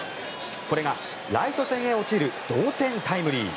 これがライト線へ落ちる同点タイムリー。